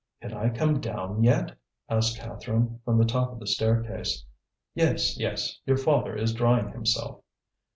"Can I come down yet?" asked Catherine, from the top of the staircase. "Yes, yes; your father is drying himself."